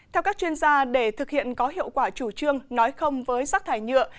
theo các chuyên gia để thực hiện có hiệu quả chủ trương nói không với rác thải nhựa